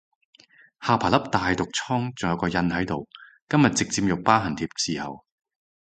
下巴粒大毒瘡仲有個印喺度，今日直接用疤痕貼侍候